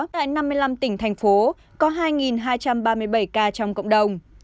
tại năm mươi năm tỉnh thành phố có hai hai trăm ba mươi bảy ca trong cộng đồng